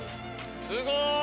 すごーい！